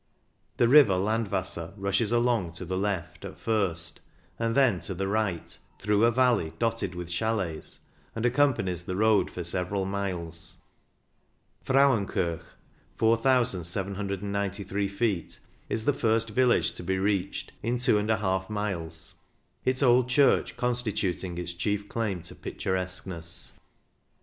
The river Landwasser rushes along to the left at first, and then to the right) through a valley dotted with chcdets, and accompanies the road for several miles. Frauenkirch (4,793 ft) is the first village to be reached, in 2^ miles, its old church constituting its chief claim to picturesqueness.